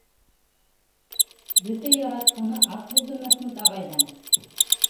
Бөтә яратҡаны ат булды Мәхмүт ағайҙың.